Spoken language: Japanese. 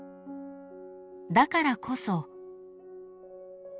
［だからこそ］